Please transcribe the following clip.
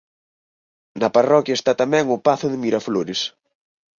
Na parroquia está tamén o pazo de Miraflores.